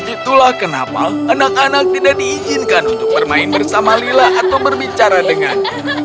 itulah kenapa anak anak tidak diizinkan untuk bermain bersama lila atau berbicara dengan